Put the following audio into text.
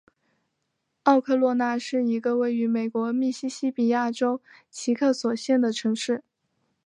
奥科洛纳是一个位于美国密西西比州奇克索县的城市。